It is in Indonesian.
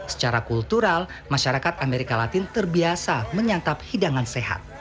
secara kultural masyarakat amerika latin terbiasa menyantap hidangan sehat